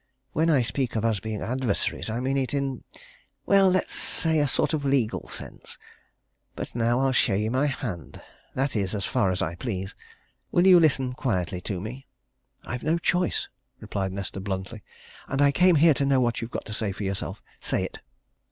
When I speak of us being adversaries, I mean it in well, let's say a sort of legal sense. But now I'll show you my hand that is, as far as I please. Will you listen quietly to me?" "I've no choice," replied Nesta bluntly. "And I came here to know what you've got to say for yourself. Say it!"